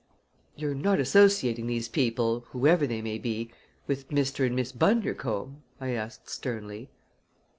"You're not associating these people, whoever they may be, with Mr. and Miss Bundercombe?" I asked sternly.